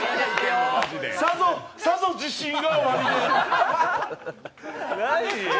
さぞ自信がおありで。